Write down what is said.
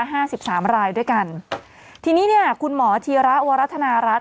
ห้าสิบสามรายด้วยกันทีนี้เนี้ยคุณหมอธีระวรัฐนารัฐ